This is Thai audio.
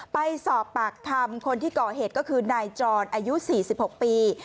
ไปสอบปากคำคนที่ก่อเหตุก็คือนายจรอายุ๔๖ปี